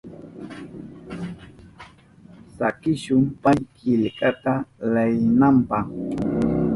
Sakishu pay killkata leyinanpa.